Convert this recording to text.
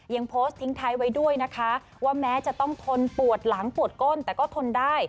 ยังโพสต์ทิ้งท้ายไว้ด้วยนะคะว่าแม้จะต้องทนปวดหลังปวดก้นแต่ก็ทนได้